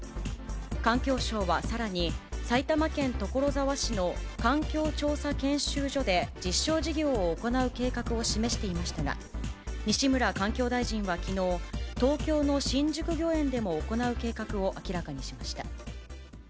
環境省はさらに、埼玉県所沢市の環境調査研修所で実証事業を行う計画を示していましたが、西村環境大臣はきのう、東京の新宿御苑でも行う計画を明らかにしました。